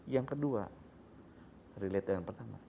yang kedua related dengan pertama